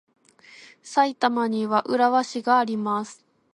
埼玉には浦和市があります。